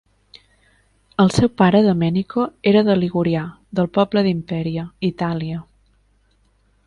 El seu pare Domenico era de ligurià, del poble d'Imperia, Itàlia.